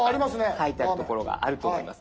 書いてある所があると思います。